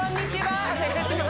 お願いします。